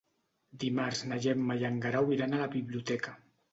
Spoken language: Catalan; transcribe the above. Dimarts na Gemma i en Guerau iran a la biblioteca.